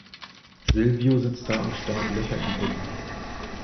Silvio sitzt da und starrt Löcher in die Decke.